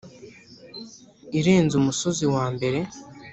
Irenze umusozi wa mbere